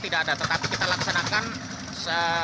tidak ada yang kita hentikan untuk sementara tidak ada